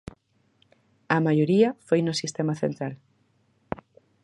A maioría foi no Sistema Central.